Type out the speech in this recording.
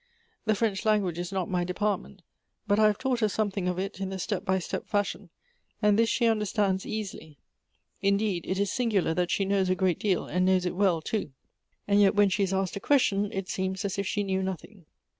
The French lan guage 'is not my department, but I have taught her something of it, in the step by step fashion ; and this she understands easily. Indeed, it is singular that she knows a great deal, and knows it well, too ; and yet when she is asked a question, it seems as if she knew nothing.